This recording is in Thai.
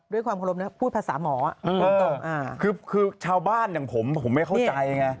ด้วยความเคารพนะพูดภาษาหมอคือชาวบ้านอย่างผมผมไม่เข้าใจไง